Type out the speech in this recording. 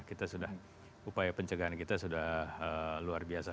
kita sudah upaya pencegahan kita sudah luar biasa